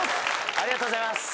ありがとうございます。